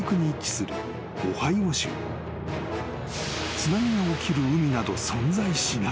［津波が起きる海など存在しない］